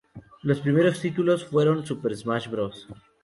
Los primeros títulos fueron "Super Smash Bros.